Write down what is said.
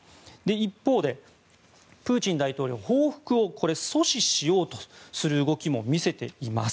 一方で、プーチン大統領は報復を阻止しようとする動きも見せています。